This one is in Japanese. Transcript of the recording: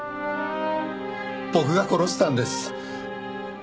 僕が殺したんです。